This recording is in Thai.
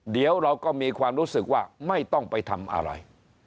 เดี๋ยวเราก็มีความรู้สึกว่าไม่ต้องไปทำอะไร